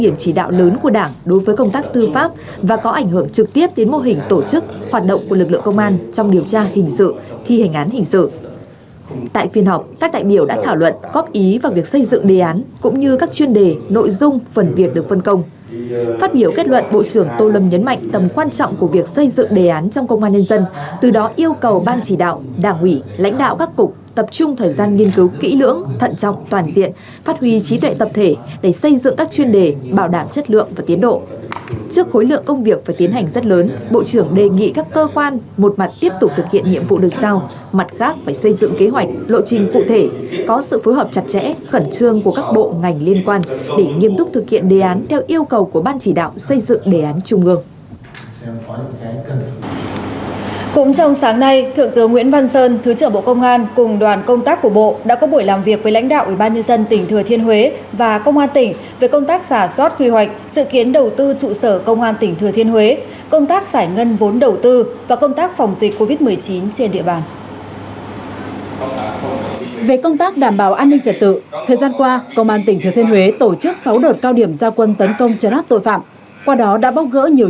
trước khối lượng công việc phải tiến hành rất lớn bộ trưởng đề nghị các cơ quan một mặt tiếp tục thực hiện đề án cho các bộ ngành liên quan để nghiêm túc thực hiện đề án cho các bộ ngành liên quan để nghiêm túc thực hiện đề án cho các bộ ngành liên quan để nghiêm túc thực hiện đề án cho các bộ ngành liên quan để nghiêm túc thực hiện đề án cho các bộ ngành liên quan để nghiêm túc thực hiện đề án cho các bộ ngành liên quan để nghiêm túc thực hiện đề án cho các bộ ngành liên quan để nghiêm túc thực hiện đề án cho các bộ ngành liên quan để nghiêm túc thực hiện đề án cho các bộ ngành liên quan để nghiêm tú